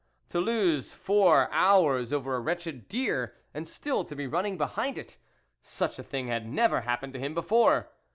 To lose four hours over a wretched deer and still to be running behind it! Such a thing had never happened to him before.